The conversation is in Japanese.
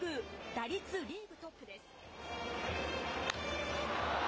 打率リーグトップです。